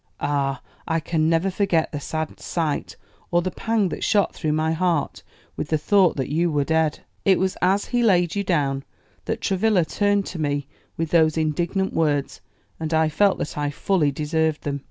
Ah, I can never forget the sad sight, or the pang that shot through my heart with the thought that you were dead. It was as he laid you down that Travilla turned to me with those indignant words, and I felt that I fully deserved them.